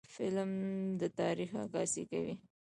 فلم د تاریخ عکاسي کوي